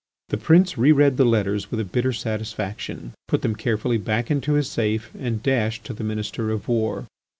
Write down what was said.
The prince re read the letters with a bitter satisfaction, put them carefully back into his safe, and dashed to the Minister of War.